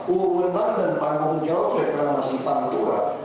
uu menang dan panggung jawa reklamasi pantura